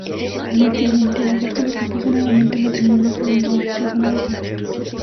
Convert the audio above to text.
Al mes siguiente, Alberto le propuso nuevamente matrimonio pero lo rechazó una vez más.